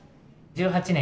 １８年